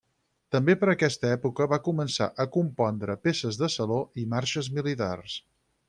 També per aquesta època va començar a compondre peces de saló i marxes militars.